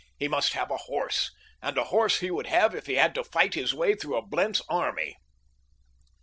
He must have a horse, and a horse he would have if he had to fight his way through a Blentz army.